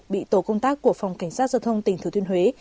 bị tổ công tác của phòng cảnh sát giao thông tỉnh thừa thiên huế